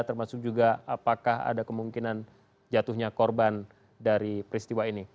termasuk juga apakah ada kemungkinan jatuhnya korban dari peristiwa ini